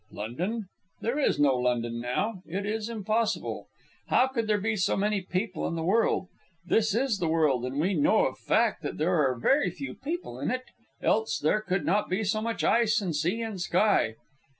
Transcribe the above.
London? There is no London now. It is impossible. How could there be so many people in the world? This is the world, and we know of fact that there are very few people in it, else there could not be so much ice and sea and sky.